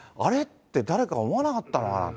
って誰か思わなかったのかな。